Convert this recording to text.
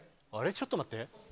ちょっと待って。